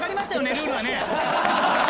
ルールはね。